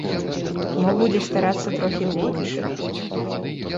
Мо будзе старацца трохі для іншых.